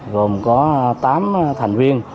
gồm có tám thành viên